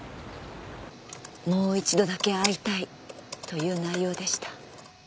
もう一度だけ会いたいという内容でした。